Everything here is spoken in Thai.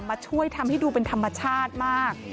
มาช่วยทำให้ดูเป็นธรรมชาติมาก